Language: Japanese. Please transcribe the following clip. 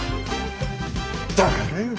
だからよ。